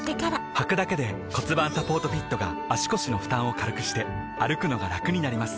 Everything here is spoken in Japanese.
はくだけで骨盤サポートフィットが腰の負担を軽くして歩くのがラクになります